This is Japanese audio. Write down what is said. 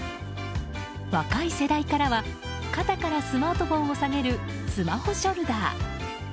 若い世代からは肩からスマートフォンを提げるスマホショルダー。